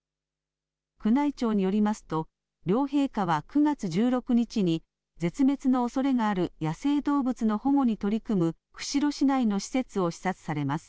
宮内庁によりますと両陛下は９月１６日に絶滅のおそれがある野生動物の保護に取り組む釧路市内の施設を視察されます。